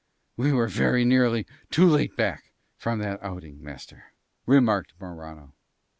"We were very nearly too late back from that outing, master," remarked Morano.